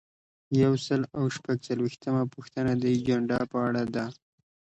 یو سل او شپږ څلویښتمه پوښتنه د اجنډا په اړه ده.